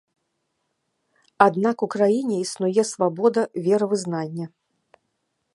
Аднак, у краіне існуе свабода веравызнання.